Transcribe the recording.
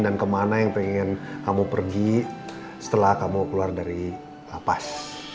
dan ke mana yang ingin kamu pergi setelah kamu keluar dari la paz